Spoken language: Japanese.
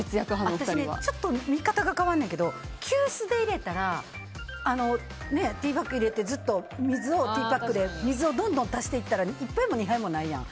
私ちょっと見方が変わるねんけど急須で入れたらティーバッグ入れてずっと水をティーバッグでどんどん足していったら１杯も２杯もないやん。